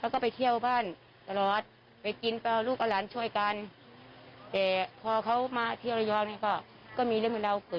ก็มีเรื่องเหมือนเราเกิดขึ้นแบบนี้เลย